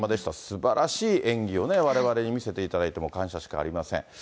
すばらしい演技をわれわれに見せていただいて、もう感謝しかありません。